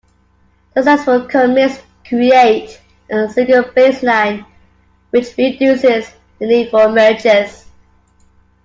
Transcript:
Successful commits create a single baseline, which reduces the need for merges.